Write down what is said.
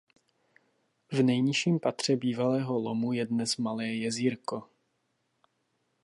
V nejnižším patře bývalého lomu je dnes malé jezírko.